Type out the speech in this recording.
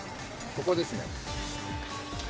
ここですね。